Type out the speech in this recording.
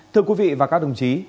thưa quý vị và các đồng chí